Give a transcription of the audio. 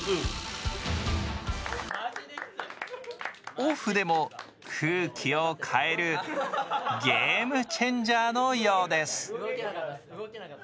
オフでも空気を変えるゲームチェンジャーのようです。